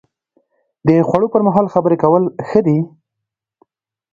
د خوړو پر مهال خبرې کول ښه دي؟